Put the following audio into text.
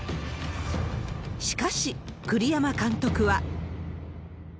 しかし、栗山監督は。